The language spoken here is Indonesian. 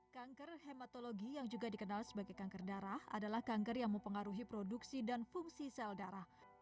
kanker hematologi yang juga dikenal sebagai kanker darah adalah kanker yang mempengaruhi produksi dan fungsi sel darah